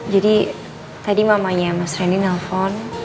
jadi tadi mamanya mas reni nelfon